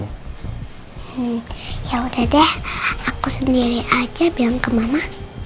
hmm yaudah deh aku sendiri aja bilang ke mama